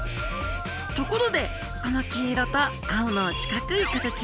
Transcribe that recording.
ところでこの黄色と青の四角い形。